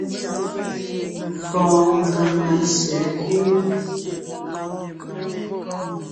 Pɔɔn ngaŋa sèkú .